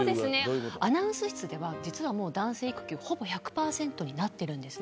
アナウンス室では実は男性育休ほぼ１００％になっています。